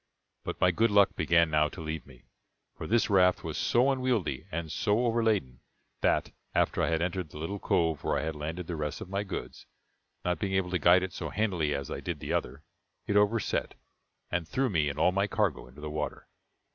But my good luck began now to leave me; for this raft was so unwieldy, and so overladen, that, after I had entered the little cove where I had landed the rest of my goods, not being able to guide it so handily as I did the other, it overset, and threw me and all my cargo into the water.